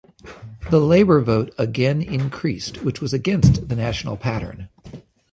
The Labour vote again increased which was against the national pattern.